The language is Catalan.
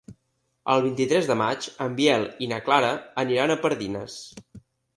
El vint-i-tres de maig en Biel i na Clara aniran a Pardines.